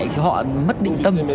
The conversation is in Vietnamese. thì họ mất định tâm